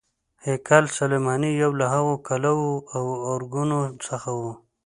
هیکل سلیماني یو له هغو کلاوو او ارګونو څخه و.